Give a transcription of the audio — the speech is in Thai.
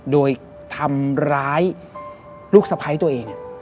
โดยทำร้ายลูกสะพ้ายตัวเอง